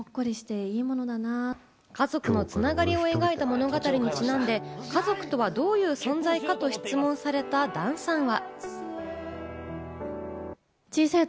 家族のつながりを描いた物語にちなんで、家族とはどういう存在かと質問された團さんは。